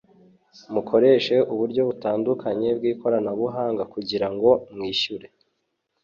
mukoreshe uburyo butandukanye bw’ikoranabuhanga kugira ngo mwishyure